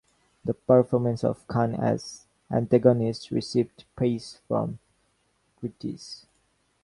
The performance of Khan as antagonist received praise from critics.